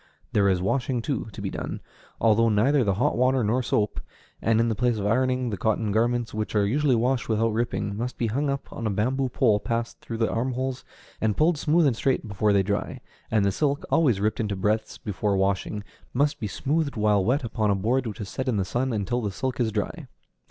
There is washing, too, to be done, although neither with hot water nor soap; and in the place of ironing, the cotton garments, which are usually washed without ripping, must be hung up on a bamboo pole passed through the armholes, and pulled smooth and straight before they dry; and the silk, always ripped into breadths before washing, must be smoothed while wet upon a board which is set in the sun until the silk is dry.